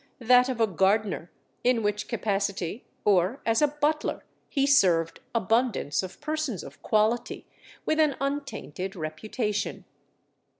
that of a gardener, in which capacity, or as a butler, he served abundance of persons of quality, with an untainted reputation.